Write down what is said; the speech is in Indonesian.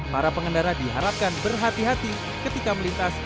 para pengendara diharapkan berhati hati ketika melintas